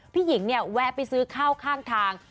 หญิงเนี่ยแวะไปซื้อข้าวข้างทาง